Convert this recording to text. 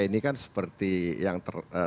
ini kan seperti yang